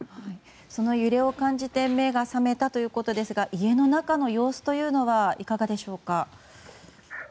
その揺れを感じて目が覚めたということですが家の中の様子はいかがでしょうか。